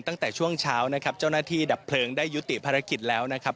ตั้งแต่ช่วงเช้านะครับเจ้าหน้าที่ดับเพลิงได้ยุติภารกิจแล้วนะครับ